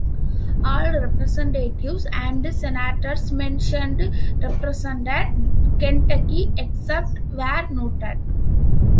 All representatives and senators mentioned represented Kentucky except where noted.